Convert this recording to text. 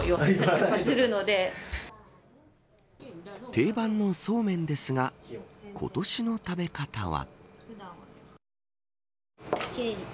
定番のそうめんですが今年の食べ方は。